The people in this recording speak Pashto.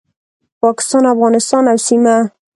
پاکستان، افغانستان او سیمه